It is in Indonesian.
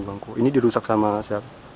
bangku ini dirusak sama siapa